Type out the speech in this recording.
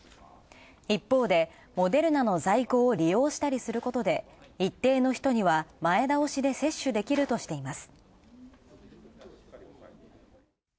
一方でモデルナの在庫を利用して利することで、一定の人には前倒しで接種できるとしています。